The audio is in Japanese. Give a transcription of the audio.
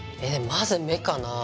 まず目かなぁ。